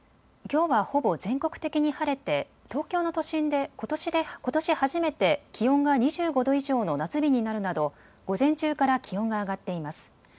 きょうはほぼ全国的に晴れて東京の都心でことし初めて気温が２５度以上の夏日になるなど午前中から気温が上がっています。